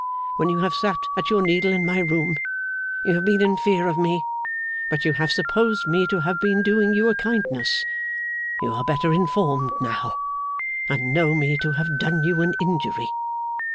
When you have sat at your needle in my room, you have been in fear of me, but you have supposed me to have been doing you a kindness; you are better informed now, and know me to have done you an injury.